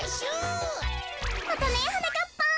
またねはなかっぱん。